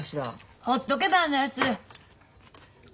ほっとけばあんなやつ。